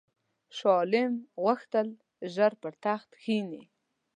شاه عالم غوښتل ژر پر تخت کښېني.